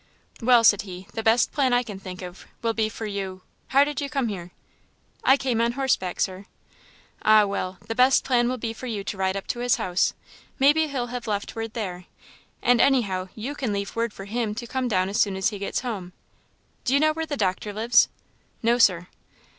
"Well," said he, "the best plan I can think of, will be for you how did you come here?" "I came on horseback, Sir." "Ah well the best plan will be for you to ride up to his house; maybe he'll have left word there, and anyhow you can leave word for him to come down as soon as he gets home. Do you know where the doctor lives?" "No, Sir."